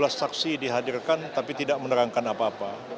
lima belas saksi dihadirkan tapi tidak menerangkan apa apa